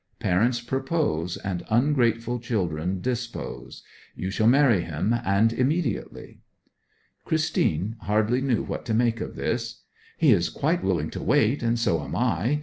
Parents propose, and ungrateful children dispose. You shall marry him, and immediately.' Christine hardly knew what to make of this. 'He is quite willing to wait, and so am I.